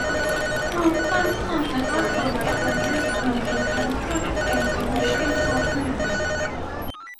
Some fans saw the album as a musical and spiritual evolution for Prince.